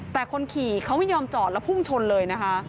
แต่คนขี่เขาไม่ยอมจอดแล้วพุ่งชนเลยนะคะ